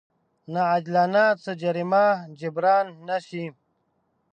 ناعادلانه څه جريمه جبران نه شي.